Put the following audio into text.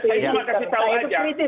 saya kritis pada pemerintah pak isi